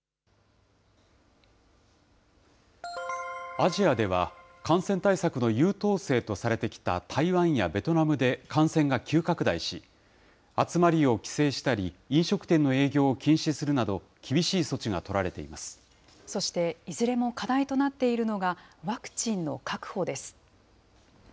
アジアでは、感染対策の優等生とされてきた台湾やベトナムで感染が急拡大し、集まりを規制したり、飲食店の営業を禁止するなど、厳しい措置がそして、いずれも課題となっているのがワクチンの確保です。